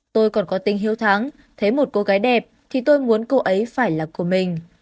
tôi còn có tình hiếu thắng thấy một cô gái đẹp thì tôi muốn cô ấy phải là của mình